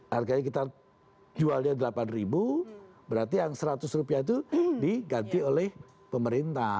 harganya kita jualnya delapan ribu berarti yang seratus rupiah itu diganti oleh pemerintah